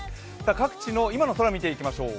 各地の今の空を見ていきましょう。